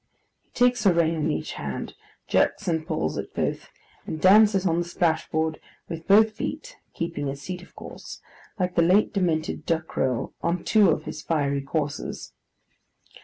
He takes a rein in each hand; jerks and pulls at both; and dances on the splashboard with both feet (keeping his seat, of course) like the late lamented Ducrow on two of his fiery coursers.